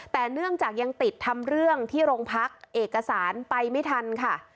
แต่เนื่องจากยังติดทำเรื่องที่โรงพักเอกสารไปไม่ทันค่ะ